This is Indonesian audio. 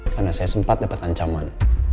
karena saya sempat dapat ancaman